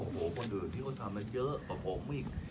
ไม่หรอกครับคนดูที่เขาทำก็เยอะกว่าผมอีก